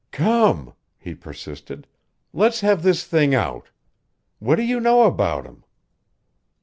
"Come," he persisted, "let's have this thing out. What do you know about him?"